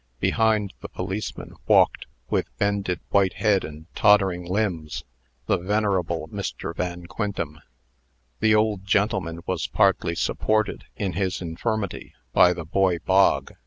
Behind the policeman walked, with bended white head and tottering limbs, the venerable Mr. Van Quintem. The old gentleman was partly supported, in his infirmity, by the boy Bog.